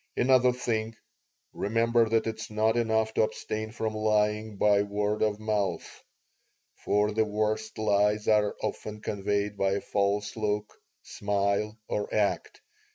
Another thing, remember that it is not enough to abstain from lying by word of mouth; for the worst lies are often conveyed by a false look, smile, or act.